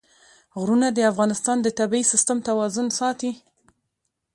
غرونه د افغانستان د طبعي سیسټم توازن ساتي.